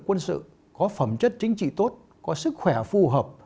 quân sự có phẩm chất chính trị tốt có sức khỏe phù hợp